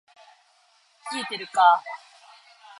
冷えてるか～